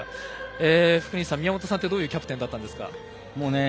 福西さん、宮本さんはどういうキャプテンでしたか。